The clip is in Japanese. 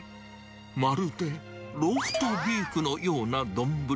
まるでローストビーフのような丼。